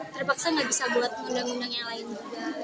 terpaksa nggak bisa buat undang undang yang lain juga